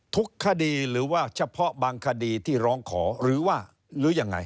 ทุกคดีหรือว่าเฉพาะบางคดีที่ร้องขอหรือว่าหรือยังไง